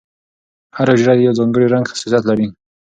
هره حجره د یو ځانګړي رنګ حساسیت لري.